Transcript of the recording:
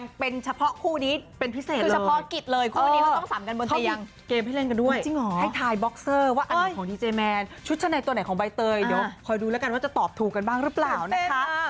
น้องน้องแวร์ซายอะไรอย่างงี้